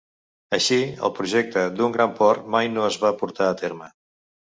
Així el projecte d'un gran port mai no es va portar a terme.